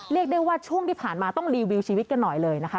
เรียกได้ว่าช่วงที่ผ่านมาต้องรีวิวชีวิตกันหน่อยเลยนะคะ